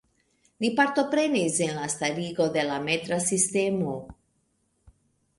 Li partoprenis en la starigo de la metra sistemo.